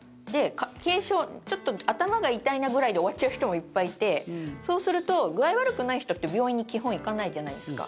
軽症ちょっと頭が痛いなぐらいで終わっちゃう人もいっぱいいてそうすると具合悪くない人って病院に基本、行かないじゃないですか。